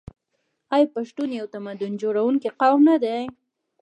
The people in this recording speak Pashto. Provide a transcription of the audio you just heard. آیا پښتون یو تمدن جوړونکی قوم نه دی؟